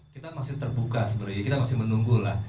kita masih terbuka sebenarnya kita masih menunggu lah